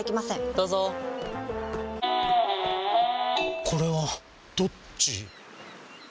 どうぞこれはどっち？